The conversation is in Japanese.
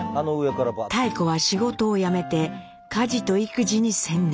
妙子は仕事を辞めて家事と育児に専念。